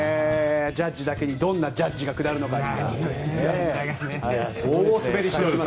ジャッジだけにどんなジャッジが下るのかですが。